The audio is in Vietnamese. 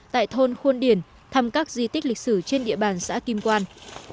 tại thôn khuôn điển thăm các di tích lịch sử trên địa bàn xã kim quan